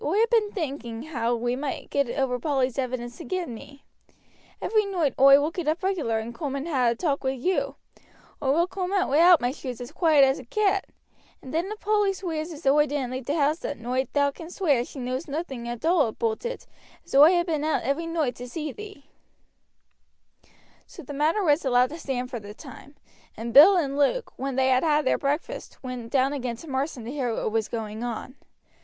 "Oi ha' bin thinking how we moight get over Polly's evidence agin me; every noight oi will get up regular and coom and ha' a talk wi' you; oi will coom out wi'out my shoes as quiet as a cat, and then if Polly sweers as oi didn't leave t' house that noight thou can'st sweer as she knows nothing at all aboot it, as oi ha' been out every noight to see thee." So the matter was allowed to stand for the time; and Bill and Luke, when they had had their breakfast, went down again to Marsden to hear what was going on.